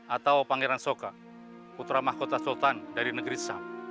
atau pangeran soka putra mahkota sultan dari negeri sam